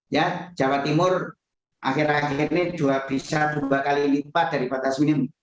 ya jawa timur akhir akhir ini bisa dua kali lipat dari batas minimum